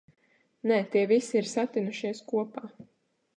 Nē, tie visi ir satinušies kopā.